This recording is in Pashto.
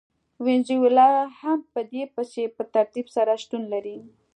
وینزویلا هم په دوی پسې په ترتیب سره شتون لري.